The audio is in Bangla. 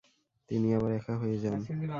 তিনি আবার একা হয়ে যান।